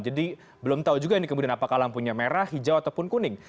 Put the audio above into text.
jadi belum tahu juga ini kemudian apakah lampunya merah hijau ataupun kuning